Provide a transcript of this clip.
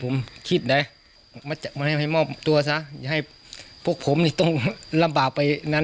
ผมคิดนะไม่ให้มอบตัวซะอย่าให้พวกผมนี่ต้องลำบากไปนั้น